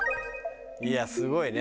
いやすごいね。